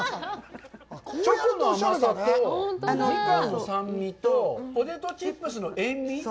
チョコの甘さと、ミカンの酸味と、ポテトチップスの塩味？